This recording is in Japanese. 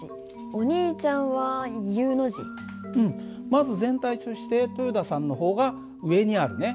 まず全体として豊田さんの方が上にあるね。